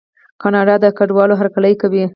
کاناډا د کډوالو هرکلی کوي.